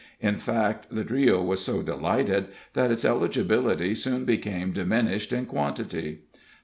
In fact, the trio was so delighted, that its eligibility soon became diminished in quantity.